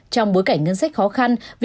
trong bối cảnh ngân sách khó khăn